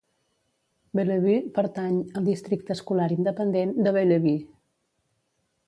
Bellevue pertany al districte escolar independent de Bellevue.